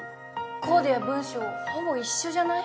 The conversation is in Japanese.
コーデや文章ほぼ一緒じゃない？